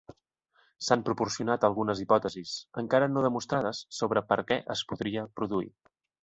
S'han proporcionat algunes hipòtesis, encara no demostrades, sobre per què es podria produir.